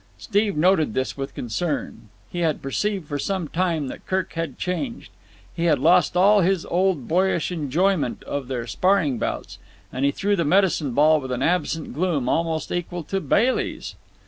Steve noted this with concern. He had perceived for some time that Kirk had changed. He had lost all his old boyish enjoyment of their sparring bouts, and he threw the medicine ball with an absent gloom almost equal to Bailey's.